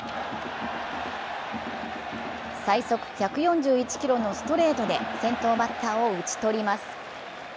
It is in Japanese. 最速１４１キロのストレートで先頭バッターを打ち取ります。